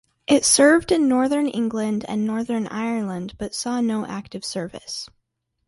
It served in Northern England and Northern Ireland but saw no active service.